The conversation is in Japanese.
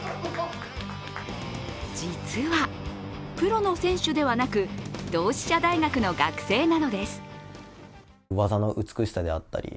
実はプロの選手ではなく同志社大学の学生なのです。